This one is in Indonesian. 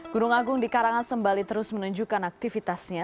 gunung agung di karangasem bali terus menunjukkan aktivitasnya